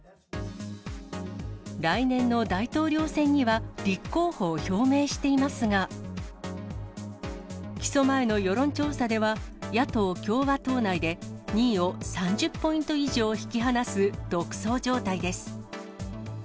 来年の大統領選には立候補を表明していますが、起訴前の世論調査では、野党・共和党内で、２位を３０ポイント以上引き離す独走状態です。